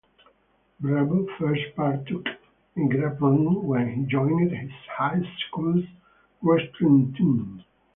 Bravo first partook in grappling when he joined his high school's wrestling team.